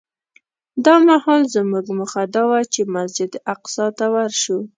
دا مهال زموږ موخه دا وه چې مسجد اقصی ته ورشو.